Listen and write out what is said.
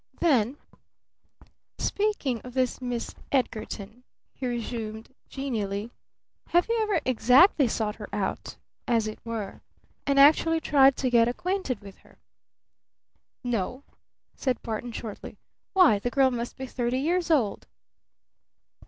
Then "Speaking of this Miss Edgarton," he resumed genially, "have you ever exactly sought her out as it were and actually tried to get acquainted with her?" "No," said Barton shortly. "Why, the girl must be thirty years old!"